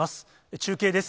中継です。